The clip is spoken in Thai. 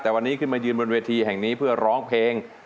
แต่วันนี้ขึ้นมายืนบนเวทีแห่งนี้เพื่อร้องเพลง